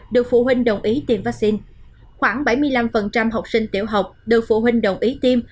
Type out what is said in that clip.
được phụ huynh đồng ý tiêm vaccine khoảng bảy mươi năm học sinh tiểu học được phụ huynh đồng ý tiêm